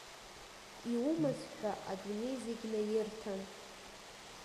Иумаз ҳәа адунеи зегь наирҭан.